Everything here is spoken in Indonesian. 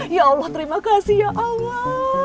ya allah terima kasih ya allah